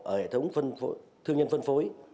ở hệ thống thương nhân phân phối